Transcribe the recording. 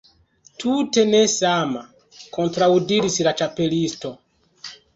"Tute ne sama," kontraŭdiris la Ĉapelisto.